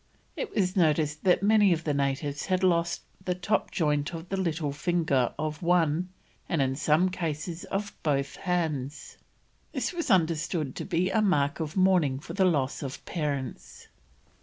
It was noticed that many of the natives had lost the top joint of the little finger of one, and in some cases, of both hands. This was understood to be a mark of mourning for the loss of parents.